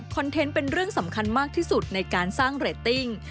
เทนต์เป็นเรื่องสำคัญมากที่สุดในการสร้างเรตติ้ง